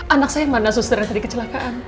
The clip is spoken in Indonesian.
anak saya mana susternya tadi kecelakaan